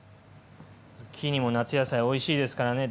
ズッキーニも夏野菜おいしいですからね。